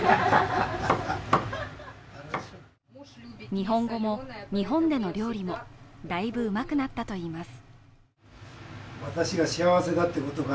日本語も、日本での料理もだいぶうまくなったといいます。